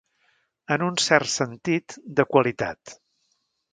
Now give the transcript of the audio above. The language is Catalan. En un cert sentit, de qualitat.